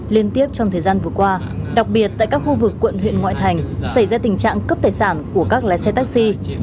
liên tiếp trong thời gian vừa qua đặc biệt tại các khu vực quận huyện ngoại thành xảy ra tình trạng cướp tài sản của các lái xe taxi